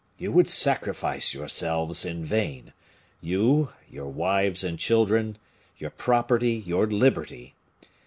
You would sacrifice yourselves in vain you, your wives and children, your property, your liberty.